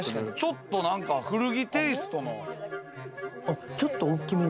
ちょっと古着テイストの。